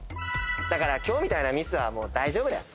だから今日みたいなミスは大丈夫だよ。